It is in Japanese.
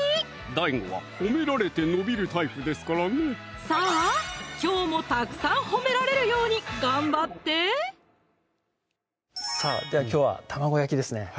ＤＡＩＧＯは褒められて伸びるタイプですからねさぁきょうもたくさん褒められるように頑張ってさぁではきょうは玉子焼きですね